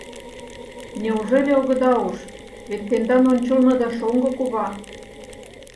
Неужели огыда уж, вет тендан ончылныда шоҥго кува?